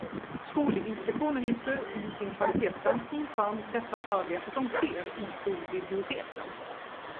Skolinspektionen lyfter i sin kvalitetsgranskning fram detta arbete som sker i skolbiblioteken.